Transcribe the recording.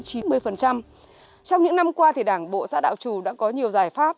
trong những năm qua thì đảng bộ xã đạo trù đã có nhiều giải pháp